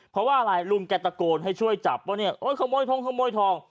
เพราะว่าอะไรลุงแกตะโกนให้ช่วยจับว่าเนี่ยโอ๊ยขโมยทงขโมยทอง